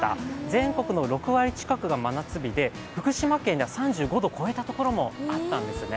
全国の６割近くが真夏日で、福島県では３５度を超えたところもあったんですね。